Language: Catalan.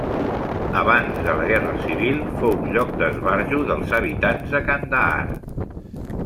Abans de la guerra civil fou lloc d'esbarjo pels habitants de Kandahar.